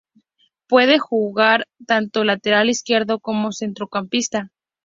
Puede jugar tanto de lateral izquierdo como de centrocampista.